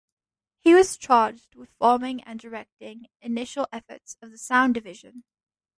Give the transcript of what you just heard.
He was charged with forming and directing initial efforts of the Sound Division.